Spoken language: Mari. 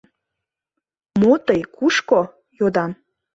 Мо тый... кушко?» — йодам.